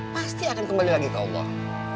pasti akan kembali lagi ke allah